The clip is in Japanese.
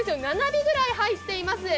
７尾ぐらい入ってます。